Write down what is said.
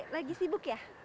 lagi sibuk ya